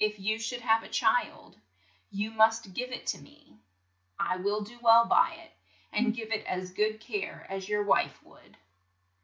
If you should have a child, you must give it to me. I will do well by it, and give it as good care as your wife would.